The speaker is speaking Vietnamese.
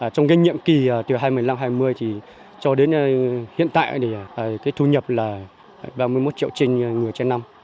trong nghiệm kỳ từ hai nghìn một mươi năm hai nghìn hai mươi cho đến hiện tại thu nhập là ba mươi một triệu trên người trên năm